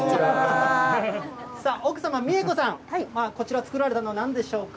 さあ、奥様、美枝子さん、こちら作られたのはなんでしょうか。